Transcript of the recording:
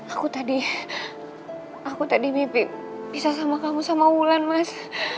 aku tadi aku tadi mimpi bisa sama kamu sama wulan mas